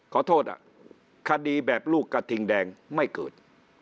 ขอโทษอ่ะคดีแบบลูกกระทิงแดงไม่เกิด